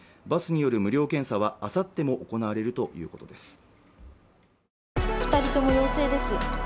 バスによる無料検査はあさっても行われるということです